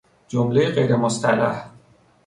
جملهی غیر مصطلح